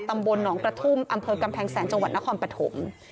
ตำบลหนองกระทุ่มอำเภอกำแพงแสนจังหวัดนครปฐม